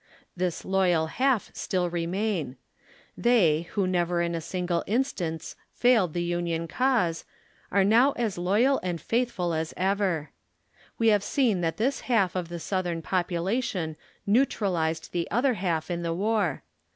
This loyal half still remain ; the}^, who never in a single instance failed the Union cause, are now as loyal and faithful as ever. "\Ye have seen that this half ot the Southern population neutralized the other half in the war.